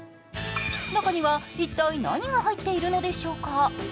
中には一体何が入っているのでしょうか。